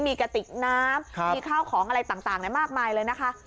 มีกระติกน้ำมีข้าวของอะไรต่างมากมายเลยนะคะ